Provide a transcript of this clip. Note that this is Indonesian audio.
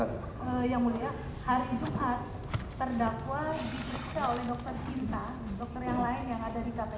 yang mulia hari jumat terdakwa diperiksa oleh dokter sinta dokter yang lain yang ada di kpk